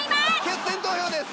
決選投票です！